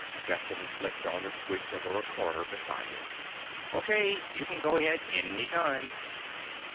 Stetson flicked on the switch of a recorder beside him. "O.K. You can go ahead any time."